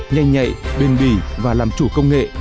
nhanh nhạy bền bỉ và làm chủ công nghệ